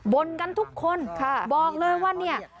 กันทุกคนบอกเลยว่าเนี่ย